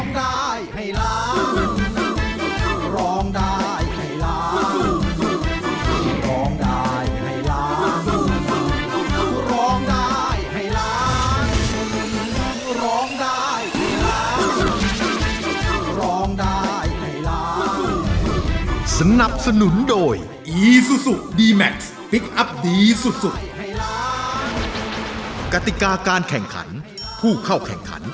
กติกาการแข่งขันผู้เข้าแข่งขัน